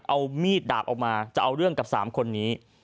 เอามีดดาบออกมาจะเอาเรื่องกับ๓คนนี้